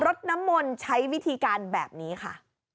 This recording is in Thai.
รถน้ำมนต์ใช้วิธีการแบบนี้ค่ะ